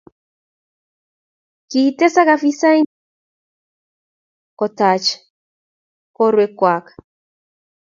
kiitesak afisaisiekab polis kotach borwekwak